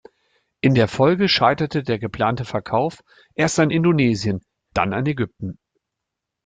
In der Folge scheiterte der geplante Verkauf erst an Indonesien, dann an Ägypten.